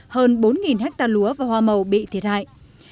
hơn bốn hectare lúa và hoa màu bị thiệt hại